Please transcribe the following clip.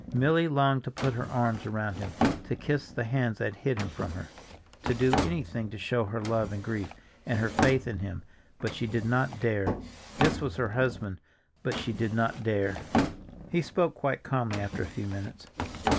Milly longed to put her arms around him, to kiss the hands that hid him from her, to do anything to show her love and grief, and her faith in him, but she did not dare. This was her husband, but she did not dare. He spoke quite calmly after a few minutes.